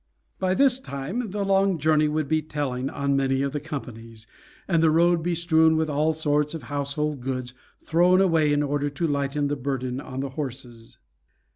By this time the long journey would be telling on many of the companies, and the road be strewn with all sorts of household goods, thrown away in order to lighten the burden on the horses.